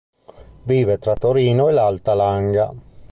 Vive fra Torino e l'Alta Langa.